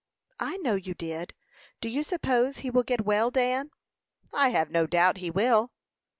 "I know you did. Do you suppose he will get well, Dan?" "I have no doubt he will."